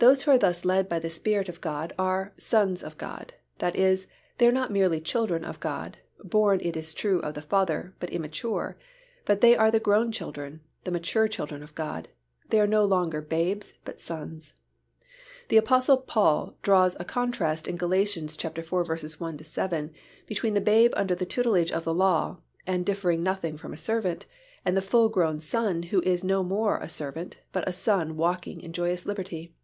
Those who are thus led by the Spirit of God are "sons of God," that is, they are not merely children of God, born it is true of the Father, but immature, but they are the grown children, the mature children of God; they are no longer babes but sons. The Apostle Paul draws a contrast in Gal. iv. 1 7 between the babe under the tutelage of the law and differing nothing from a servant, and the full grown son who is no more a servant but a son walking in joyous liberty.